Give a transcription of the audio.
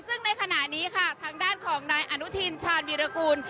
ซึ่งในขณะนี้ค่ะทางด้านของนายอนุทินชาญวีรกูล